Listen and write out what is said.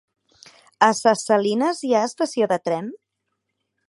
A Ses Salines hi ha estació de tren?